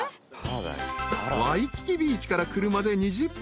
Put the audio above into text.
［ワイキキビーチから車で２０分］